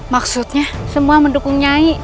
maksudnya semua mendukung nyai